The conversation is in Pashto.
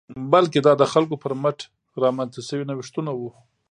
بلکې دا د خلکو پر مټ رامنځته شوي نوښتونه وو